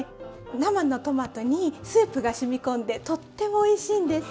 生のトマトにスープがしみ込んでとってもおいしいんです。